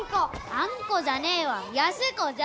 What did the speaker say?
あんこじゃねえわ安子じゃ。